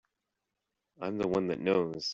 I'm the one that knows.